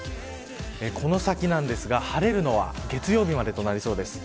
この先、晴れるのは月曜日までとなりそうです。